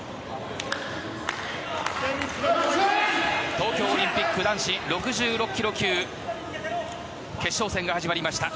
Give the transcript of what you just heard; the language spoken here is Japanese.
東京オリンピック男子６６ｋｇ級決勝戦が始まりました。